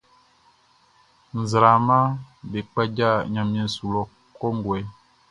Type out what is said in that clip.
Nzraamaʼm be kpaja ɲanmiɛn su lɔ kɔnguɛ.